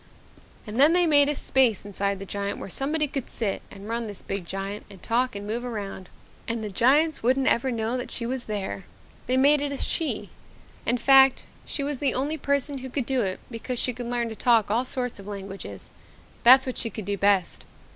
"And then they made a space inside the giant where somebody could sit and run this big giant and talk and move around and the giants wouldn't ever know that she was there. They made it a she. In fact, she was the only person who could do it because she could learn to talk all sorts of languages that's what she could do best.